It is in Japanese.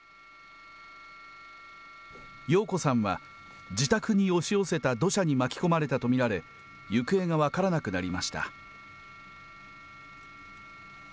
陽子さんは、自宅に押し寄せた土砂に巻き込まれたと見られ、行方が分からなくなりました。